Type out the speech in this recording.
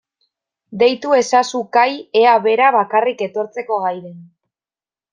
Deitu ezazu Kai ea bera bakarrik etortzeko gai den.